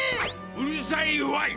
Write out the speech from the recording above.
うるさいわい！